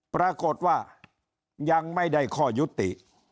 ปรากฏว่ายังไม่ได้ข้อยุติ